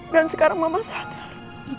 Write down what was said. dan sekarang mama sadar